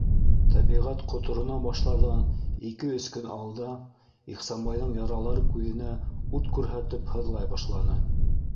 Тәбиғәт ҡоторона башларҙан ике-өс көн алда Ихсанбайҙың яралары күҙенә ут күрһәтеп һыҙлай башланы.